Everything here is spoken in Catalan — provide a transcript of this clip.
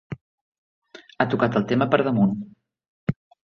Ha tocat el tema per damunt.